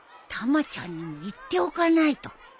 たまちゃんにも言っておかないと。